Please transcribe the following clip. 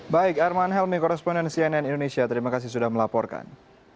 baik arman helmi koresponden cnn indonesia terima kasih sudah melaporkan